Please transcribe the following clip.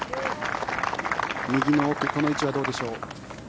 右の奥、この位置はどうでしょう。